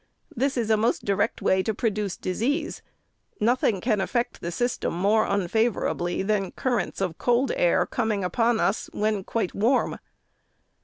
This is a most direct way to produce disease ; nothing can affect the system more unfavorably than currents of cold air coming upon us when quite warm.